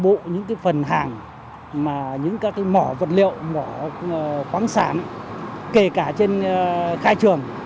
bộ những cái phần hàng mà những các cái mỏ vật liệu mỏ khoáng sản kể cả trên khai trường